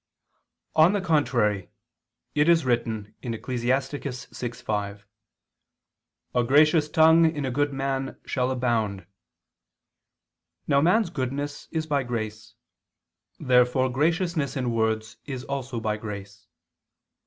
On the contrary, It is written (Ecclus. 6:5): "A gracious tongue in a good man shall abound [Vulg.: 'aboundeth']." Now man's goodness is by grace. Therefore graciousness in words is also by grace.